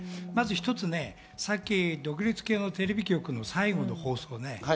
まず一つ独立系のテレビ局の最後の放送ね。